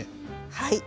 はい。